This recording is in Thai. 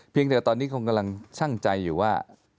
แต่ตอนนี้คงกำลังชั่งใจอยู่ว่า